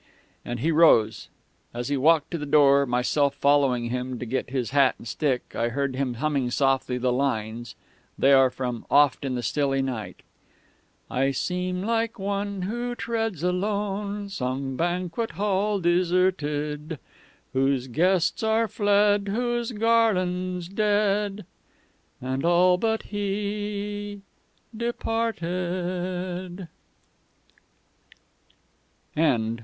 And he rose. As he walked to the door, myself following him to get his hat and stick, I heard him humming softly the lines they are from Oft in the Stilly Night "_I seem like one who treads alone Some banquet hall deserted, Whose guests are fled, whose garlands dead, And all but he departed!